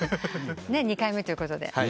２回目ということで。